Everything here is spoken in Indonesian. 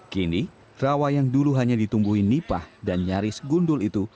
kini rawa yang dulu hanya ditumbuhi nipah dan nyaris gundul itu